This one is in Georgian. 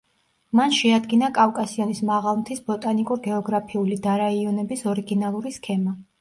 მან შეადგინა კავკასიონის მაღალმთის ბოტანიკურ-გეოგრაფიული დარაიონების ორიგინალური სქემა.